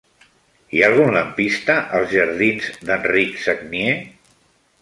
Hi ha algun lampista als jardins d'Enric Sagnier?